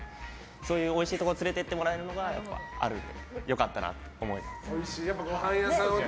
そういうおいしいところに連れていってもらえたので良かったなと思います。